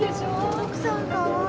徳さんかわいい。